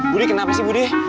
budi kenapa sih budi